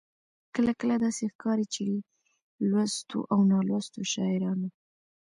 کله کله داسې ښکاري چې لوستو او نالوستو شاعرانو.